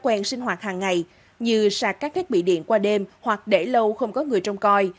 quen sinh hoạt hàng ngày như sạc các thiết bị điện qua đêm hoặc để lâu không có người trông coi